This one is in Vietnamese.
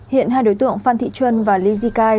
hiện hai đối tượng phan thị chuân và lý di cai